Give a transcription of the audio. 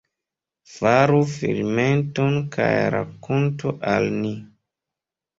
Faru filmeton kaj rakontu al ni!